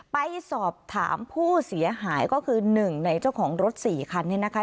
ไปสอบถามผู้เสียหายก็คือ๑ในเจ้าของรถ๔คันเนี่ยนะคะ